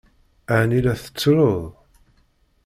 Ɛni la tettruḍ?